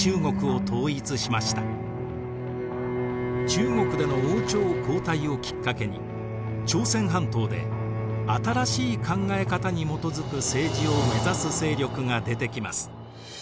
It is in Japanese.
中国での王朝交代をきっかけに朝鮮半島で新しい考え方に基づく政治を目指す勢力が出てきます。